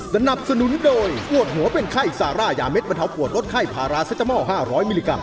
สนับสนุนโดยปวดหัวเป็นไข้ซาร่ายาเด็ดบรรเทาปวดลดไข้พาราเซตามอล๕๐๐มิลลิกรั